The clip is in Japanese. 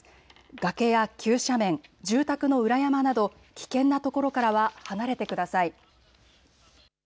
崖や急斜面、住宅の裏山など危険なところからは離れてください。